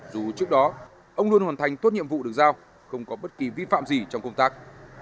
dù trước đó ông luôn hoàn thành tốt nhiệm vụ được giao không có bất kỳ vi phạm gì trong công tác